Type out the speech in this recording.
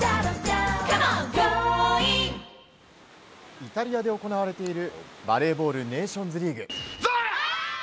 イタリアで行われているバレーボールネーションズリーグ。